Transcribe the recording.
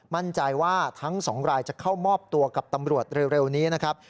มั่นใจว่าทั้งสองรายจะเข้ามอบตัวกับตำรวจเร็วนี้นะครับ